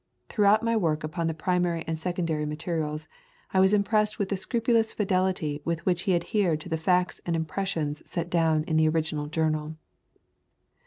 Throughout my work upon the primary and secondary materials I was impressed with the scrupu lous fidelity with which he adhered to the facts and impressions set down in the original journal.